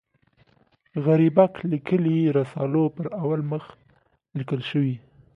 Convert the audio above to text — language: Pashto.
غریبک لیکلي رسالو پر اول مخ لیکل شوي.